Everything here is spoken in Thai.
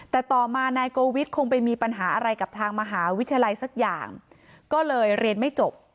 แต่ต่อมานายโกวิทคงไปมีปัญหาอะไรกับทางมหาวิทยาลัยสักอย่างก็เลยเรียนไม่จบ